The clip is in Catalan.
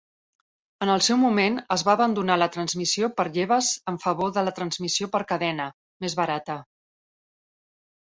En el seu moment, es va abandonar la transmissió per lleves en favor de la transmissió per cadena, més barata.